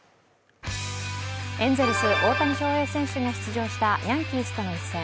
エンゼルス・大谷翔平選手が出場したヤンキースとの一戦。